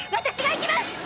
私が行きます。